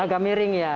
harus agak miring ya